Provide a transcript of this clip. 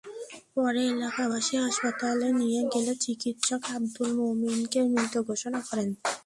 পরে এলাকাবাসী হাসপাতালে নিয়ে গেলে চিকিৎসক আবদুল মোমিনকে মৃত ঘোষণা করেন।